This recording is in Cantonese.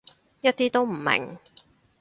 一啲都唔明